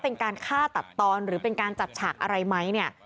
เป็นการฆ่าตัดตอนหรือเป็นการจัดฉากอะไรไหมเนี่ย